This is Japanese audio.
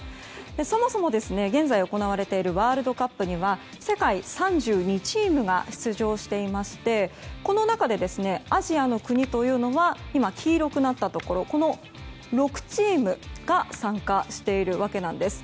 そもそも、現在行われているワールドカップには世界３２チームが出場していましてこの中で、アジアの国というのは黄色くなったところこの６チームが参加しているわけなんです。